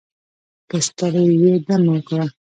که ستړی یې دمه وکړه